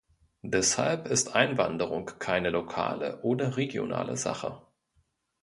Deshalb ist Einwanderung keine lokale oder regionale Sache.